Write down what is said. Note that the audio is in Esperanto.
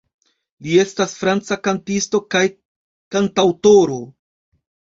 Li estas franca kantisto kaj kantaŭtoro.